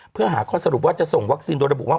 เพื่อหาข้อสรุปว่าจะส่งวัคซีนโดยระบุว่า